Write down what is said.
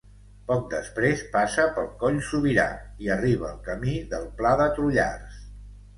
Poc després passa pel Coll Sobirà, i arriba al camí del Pla de Trullars.